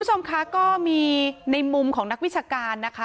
คุณผู้ชมคะก็มีในมุมของนักวิชาการนะคะ